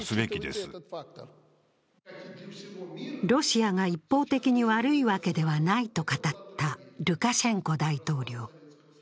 ロシアが一方的に悪いわけではないと語ったルカシェンコ大統領。